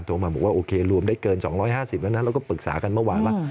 มาบอกว่าโอเครวมได้เกิน๒๕๐แล้วนะเราก็ปรึกษากันเมื่อวานว่า